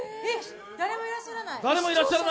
誰もいらっしゃらない？